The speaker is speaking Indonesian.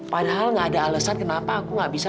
padahal gak ada alesan kenapa aku gak bisa